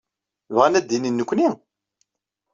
Bɣan ad d-inin nekkni?